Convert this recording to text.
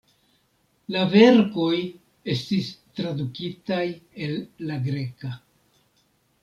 La verkoj estis tradukitaj el la greka.